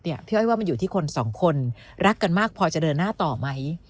พี่อ้อยว่ามันอยู่ที่คนสองคนรักกันมากพอจะเดินหน้าต่อไหม